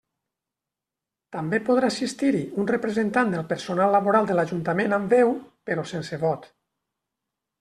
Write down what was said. També podrà assistir-hi un representant del personal laboral de l'Ajuntament amb veu, però sense vot.